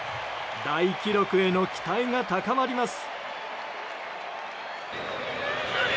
大記録への期待が高まります。